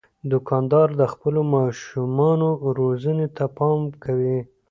دوکاندار د خپلو ماشومانو روزنې ته پام کوي.